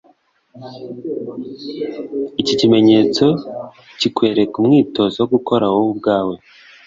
iki kimenyetso kikwereka umwitozo wo gukora wowe ubwawe